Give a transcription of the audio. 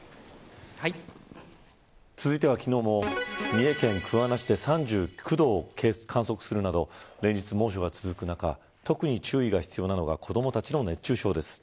続いては昨日も三重県桑名市で３９度を観測するなど、連日猛暑が続く中特に注意が必要なのが子どもたちの熱中症です。